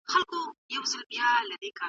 او اوس د ارام ساه اخلي.